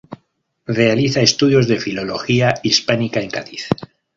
Realiza estudios de Filología Hispánica en Cádiz.